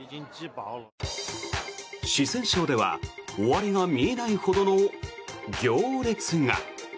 四川省では終わりが見えないほどの行列が。